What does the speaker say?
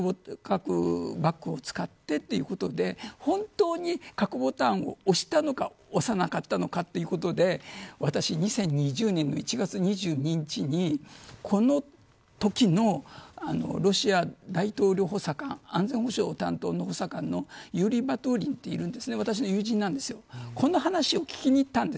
それで核バッグを使ってということで本当に核ボタンを押したのか押さなかったのかということで私は２０２０年の１月２２日にこのときのロシア大統領補佐官安全保障担当の補佐官のユーリ・バトーリンという人がいます。